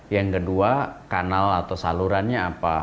yang kedua kanal atau salurannya apa